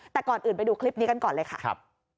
แต่ก่อนอื่นไปดูคลิปนี้กันก่อนเลยค่ะ